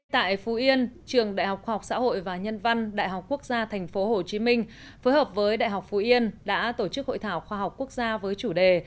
tại phú yên trường đại học khoa học xã hội và nhân văn đại học quốc gia tp hcm phối hợp với đại học phú yên đã tổ chức hội thảo khoa học quốc gia với chủ đề